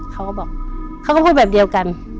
เขาก็บอกเขาก็พูดแบบเดียวกัน